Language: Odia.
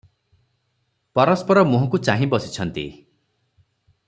ପରସ୍ପର ମୁହଁକୁ ଚାହିଁବସିଛନ୍ତି ।